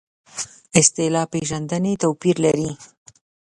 اصطلاح پېژندنې توپیر لري.